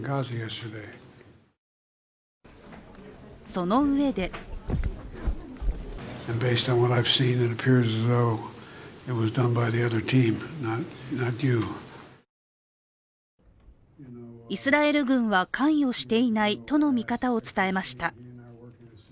そのうえでイスラエル軍は関与していないとの見方を伝えました。